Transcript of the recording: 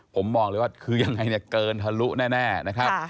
ผมมองเลยว่าคือยังไงเนี่ยเกินทะลุแน่นะครับ